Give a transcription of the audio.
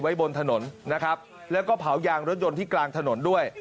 บนถนนนะครับแล้วก็เผายางรถยนต์ที่กลางถนนด้วย